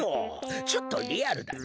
ちょっとリアルだな。